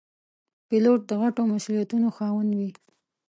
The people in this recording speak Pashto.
پیلوټ د غټو مسوولیتونو خاوند وي.